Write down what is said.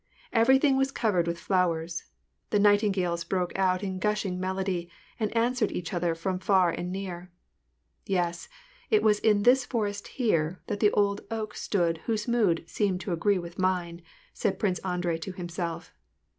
Every thing was covered with flowers : the nightingales broke out in gushing melody, and answered each other from far and near. " Yes, it was in this forest here, that the old oak stood whose mood seemed to agree with mine," said Prince Andrei to him self.